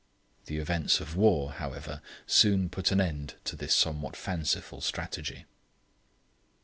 The events of the war, however, soon put an end to this somewhat fanciful strategy.